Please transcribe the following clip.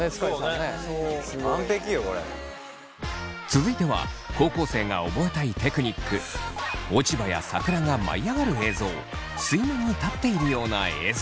続いては高校生が覚えたいテクニック落ち葉や桜が舞い上がる映像水面に立っているような映像。